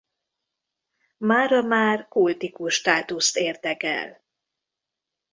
Mára már kultikus státuszt értek el.